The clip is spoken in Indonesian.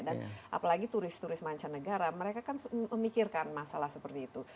dan apalagi turis turis mancanegara mereka kan memikirkan masalah seperti itu